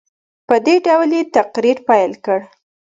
په دې ډول یې تقریر پیل کړ.